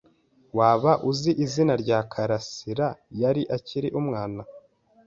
Waba uzi izina rya Karasirayari akiri umwana?